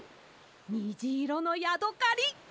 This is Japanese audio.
にじいろのヤドカリ！